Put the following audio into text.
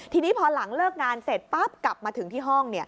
ทีนี้พอหลังเลิกงานเสร็จปั๊บกลับมาถึงที่ห้อง